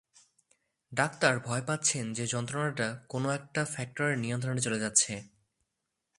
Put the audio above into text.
Doctor ভয় পাচ্ছেন যে যন্ত্রটা কোন একটা ফ্যাক্টরের নিয়ন্ত্রণে চলে যাচ্ছে।